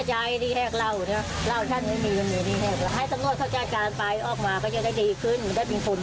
ในบีที่ว่าคนผอมหน่อยน่ะ